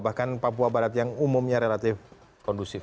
bahkan papua barat yang umumnya relatif kondusif